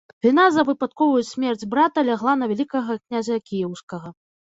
Віна за выпадковую смерць брата лягла на вялікага князя кіеўскага.